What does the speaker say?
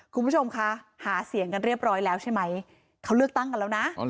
คุณผู้ชมคะหาเสียงกันเรียบร้อยแล้วใช่ไหมเขาเลือกตั้งกันแล้วนะ